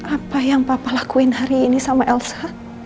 apa yang papa lakuin hari ini sama elsa